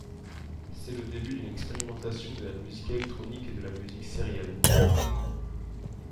C'est le début d'une expérimentation de la musique électronique et de la musique sérielle.